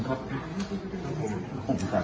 ขอบคุณครับ